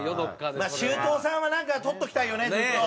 周東さんはなんか取っておきたいよねちょっと。